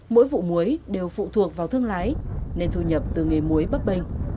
mỗi vụ muối đều phụ thuộc vào thương lái nên thu nhập từ nghề muối bất bình